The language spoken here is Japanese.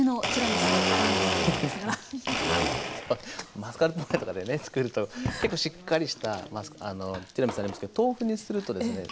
マスカルポーネとかでね作ると結構しっかりしたティラミスになりますけど豆腐にするとですね